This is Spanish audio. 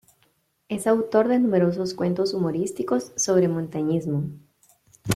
Es autor de numerosos cuentos humorísticos sobre montañismo.